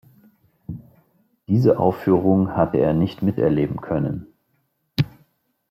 Diese Aufführung hatte er nicht miterleben können.